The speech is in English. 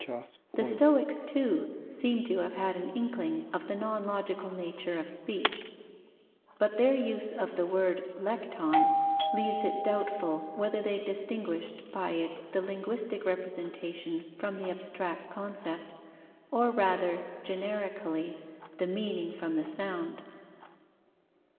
The Stoics, too, seem to have had an inkling of the non logical nature of speech, but their use of the word lekton leaves it doubtful whether they distinguished by it the linguistic representation from the abstract concept, or rather, generically, the meaning from the sound.